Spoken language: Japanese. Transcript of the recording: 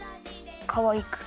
かわいく！